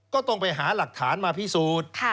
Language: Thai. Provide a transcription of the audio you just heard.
ก็ต้องไปหาหลักฐานมาพิสูจน์